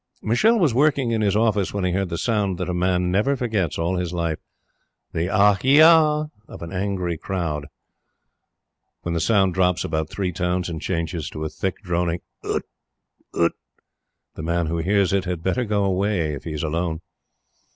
Michele was working in his office when he heard the sound that a man never forgets all his life the "ah yah" of an angry crowd. [When that sound drops about three tones, and changes to a thick, droning ut, the man who hears it had better go away if he is alone.